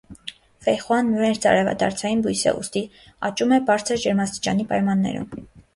Ֆեյխոան մերձարևադարձային բույս է, ուստի աճում է բարձր ջերմաստիճանի պայմաններում։